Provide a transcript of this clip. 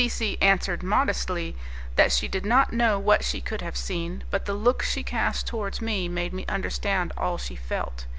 C C answered modestly that she did not know what she could have seen, but the look she cast towards me made me understand all she felt.